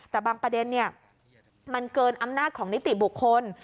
แต่บางประเด็นมันเกินอำนาจของนิติบุคคล